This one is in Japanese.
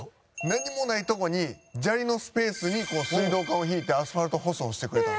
何もないとこに砂利のスペースに水道管を引いてアスファルト舗装してくれたの。